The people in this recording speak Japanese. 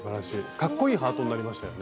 かっこいいハートになりましたよね。